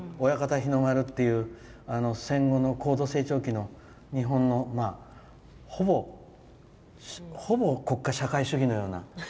日の丸っていう戦後の高度成長期の日本のほぼ国家社会主義のような。